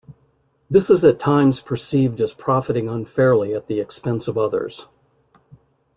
This is at times perceived as profiting unfairly at the expense of others.